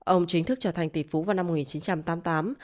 ông chính thức trở thành tỷ phú vào năm một nghìn chín trăm tám mươi tám